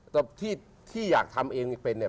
แต่ที่อยากทำเองเป็นเนี่ย